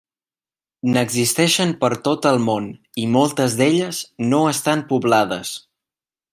N'existeixen per tot el món i moltes d'elles no estan poblades.